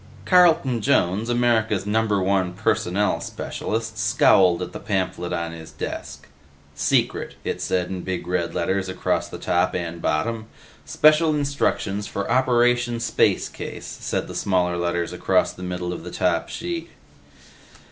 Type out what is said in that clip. Carlton Jones, America's Number One personnel specialist, scowled at the pamphlet on his desk. SECRET, it said in big red letters across the top and bottom. Special Instructions for Operation Space Case, said the smaller letters across the middle of the top sheet.